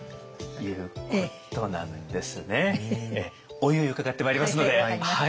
おいおい伺ってまいりますのではい。